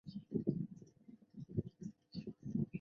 富勒其后表示自己为戈梅兹创作了一些素材。